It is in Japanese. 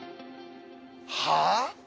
はあ？